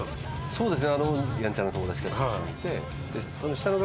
そうですね。